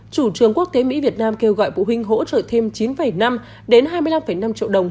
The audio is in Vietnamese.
chủ trường quốc tế mỹ việt nam kêu gọi phụ huynh hỗ trợ thêm chín năm đến hai mươi năm năm triệu đồng